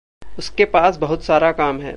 उसके पास बहुत सारा काम है।